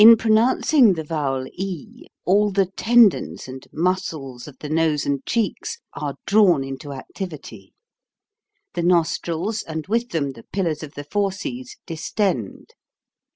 THE ATTACK AND THE VOWELS 75 In pronouncing the vowel e all the tendons and muscles of the nose and cheeks are drawn into activity. The nostrils and with them the pillars of the fauces distend.